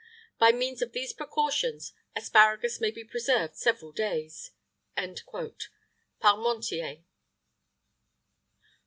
By means of these precautions asparagus may be preserved several days." PARMENTIER.